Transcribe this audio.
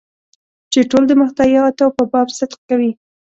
چې ټول د محتویاتو په باب صدق کوي.